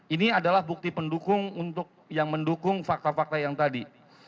ini adalah bukti pendukung untuk yang mendukung fakta fakta yang tadi